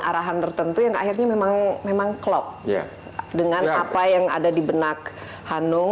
ada arahan arahan tertentu yang akhirnya memang clock dengan apa yang ada di benak hanung